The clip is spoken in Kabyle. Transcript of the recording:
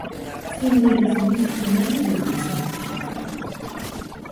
Timlilit-nni teqqim armi d lxemsa.